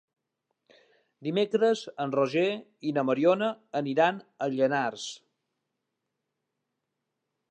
Dimecres en Roger i na Mariona aniran a Llanars.